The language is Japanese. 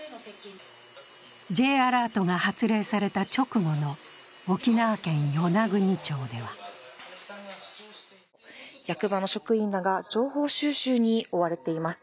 Ｊアラートが発令された直後の沖縄県与那国町では役場の職員らが情報収集に追われています。